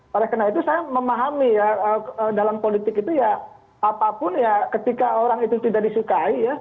oleh karena itu saya memahami ya dalam politik itu ya apapun ya ketika orang itu tidak disukai ya